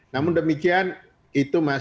namun demikian itu masalahnya